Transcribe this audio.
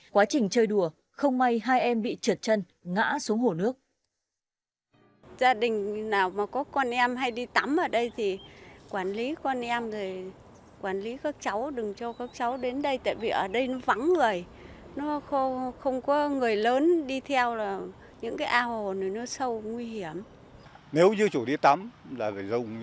quá trình chơi đùa không may hai em bị trượt chân